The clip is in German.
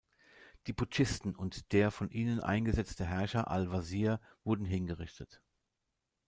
Die Putschisten und der von ihnen eingesetzte Herrscher al-Wazir wurden hingerichtet.